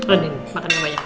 oh ini makan yang banyak